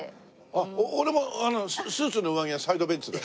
あっ俺もあのスーツの上着はサイドベンツだよ。